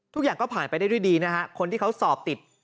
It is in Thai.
ทุกอย่างก็ผ่านไปได้ด้วยดีนะฮะคนที่เขาสอบติด